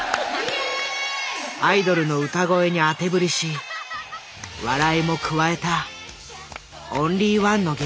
アイドルの歌声に当て振りし笑いも加えたオンリーワンの芸。